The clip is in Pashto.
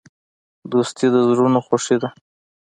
دوستي د زړونو خوښي ده.